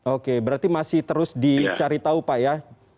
oke berarti masih terus dicari tahu pak ya